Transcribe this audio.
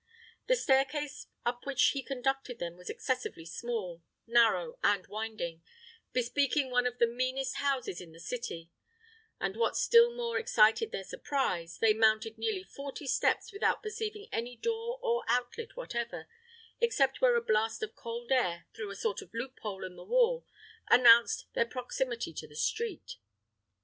The staircase up which he conducted them was excessively small, narrow, and winding, bespeaking one of the meanest houses in the city; and what still more excited their surprise, they mounted near forty steps without perceiving any door or outlet whatever, except where a blast of cold air through a sort of loophole in the wall announced their proximity to the street.